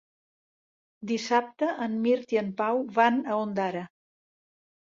Dissabte en Mirt i en Pau van a Ondara.